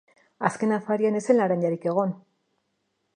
Azken afarian ez zen laranjarik egon.